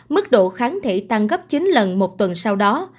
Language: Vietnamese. mức độ kháng thể tăng gấp chín lần một tuần sau đó